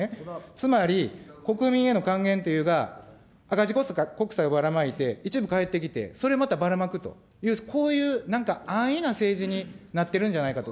つまり、国民への還元といえば、赤字国債をばらまいて、ばらまいて、一部返ってきて、それをまたばらまくという、こういうなんか、安易な政治になってるんじゃないかと。